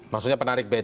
maksudnya penarik becak